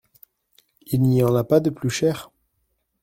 Il n’y en a pas de plus cher ?